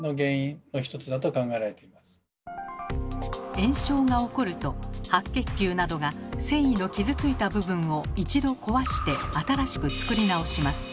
炎症が起こると白血球などが線維の傷ついた部分を一度壊して新しく作り直します。